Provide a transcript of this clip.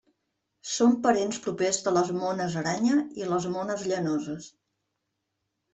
Són parents propers de les mones aranya i les mones llanoses.